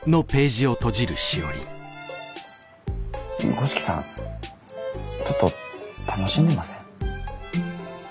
五色さんちょっと楽しんでません？